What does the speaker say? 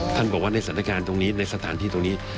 บอกว่าในสถานการณ์ตรงนี้ในสถานที่ตรงนี้